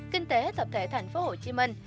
kinh tế tập thể thành phố hồ chí minh